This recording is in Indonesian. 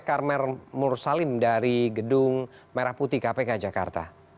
karmer mursalim dari gedung merah putih kpk jakarta